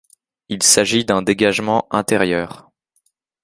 Il s'agit d'un dégagement intérieur.